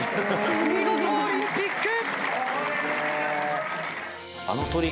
見事オリンピック。